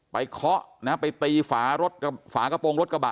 ไปเขาะนะไปปีฝากระโปรงรถกระบะ